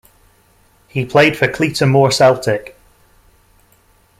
He played for Cleator Moor Celtic.